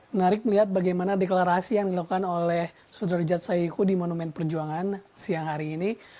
menarik melihat bagaimana deklarasi yang dilakukan oleh sudrajat saiku di monumen perjuangan siang hari ini